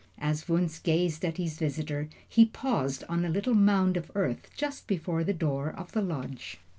As Wunzh gazed at his visitor, he paused on a little mound of earth just before the door of the lodge.